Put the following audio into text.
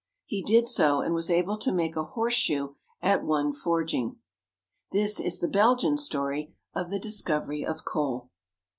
He did so, and was able to make a horseshoe at one forging. This is the Belgian story of the discovery of coal.